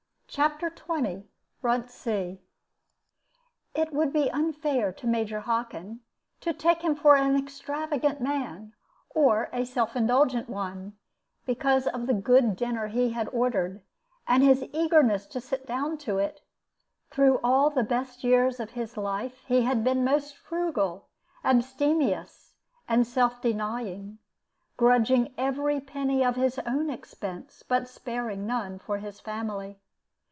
CHAPTER XX BRUNTSEA It would be unfair to Major Hockin to take him for an extravagant man or a self indulgent one because of the good dinner he had ordered, and his eagerness to sit down to it. Through all the best years of his life he had been most frugal, abstemious, and self denying, grudging every penny of his own expense, but sparing none for his family.